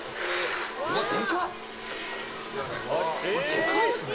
でかいですね。